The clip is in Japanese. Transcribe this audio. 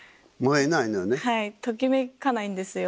はいときめかないんですよ。